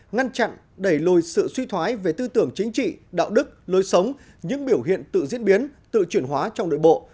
ngăn chặn đẩy lùi sự suy thoái về tư tưởng chính trị đạo đức lối sống những biểu hiện tự diễn biến tự chuyển hóa trong nội bộ